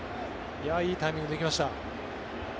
いいタイミングで行きました。